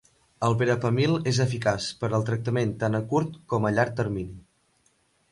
El Verapamil és eficaç per al tractament tant a curt com a llarg termini.